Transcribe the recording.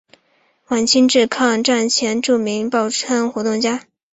晚清至抗战前著名报刊活动家。